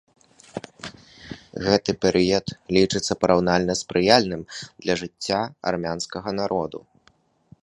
Гэты перыяд лічыцца параўнальна спрыяльным для жыцця армянскага народа.